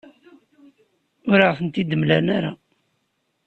Ur aɣ-ten-id-mlan ara.